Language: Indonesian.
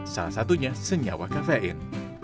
salah satunya senyawa kafein